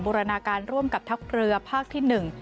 รณาการร่วมกับทัพเรือภาคที่หนึ่ง